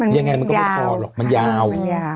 ยังไงมันก็ไม่พอหรอกมันยาว